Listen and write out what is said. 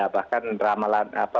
bahkan ramalan apa